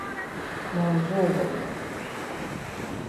N'Ọzụbụlụ